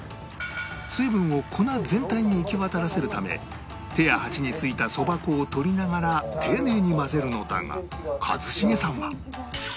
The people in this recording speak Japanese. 水分を粉全体に行き渡らせるため手や鉢についたそば粉を取りながら丁寧に混ぜるのだが一茂さんは